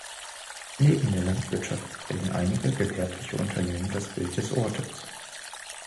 Neben der Landwirtschaft prägen einige gewerbliche Unternehmen das Bild des Ortes.